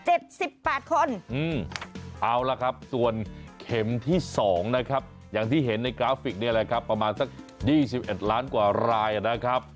เอาล่ะครับส่วนเข็มที่สองนะครับอย่างที่เห็นในกราฟิกนี่แหละครับประมาณสักยี่สิบเอ็ดล้านกว่ารายนะครับ